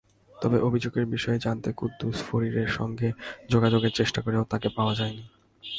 তবে অভিযোগের বিষয়ে জানতে কুদ্দুস ফরিরের সঙ্গে যোগাযোগের চেষ্টা করেও তাঁকে পাওয়া যায়নি।